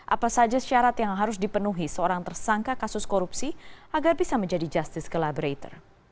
apa saja syarat yang harus dipenuhi seorang tersangka kasus korupsi agar bisa menjadi justice collaborator